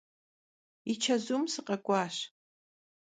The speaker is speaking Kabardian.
Yi çezum sıkhek'uaş.